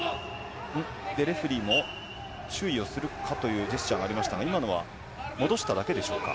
レフェリーも注意をするかというジェスチャーがありましたが今のは戻しただけでしょうか。